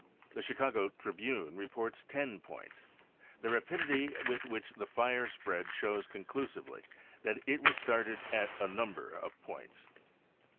The Chicago Tribune reports 10 points. The rapidity y with which the fire spread shows conclusively that it was ! started at a number of points.